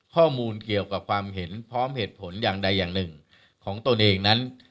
ข้อมูลเกี่ยวกับความเห็นพร้อมเหตุผลอย่างใดอย่างหนึ่งของตนเองนั้น